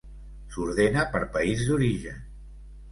S'ordena per país d'origen.